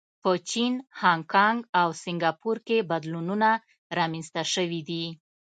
په چین، هانکانګ او سنګاپور کې بدلونونه رامنځته شوي دي.